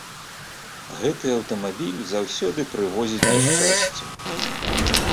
Гэты аўтамабіль заўсёды прывозіць няшчасце.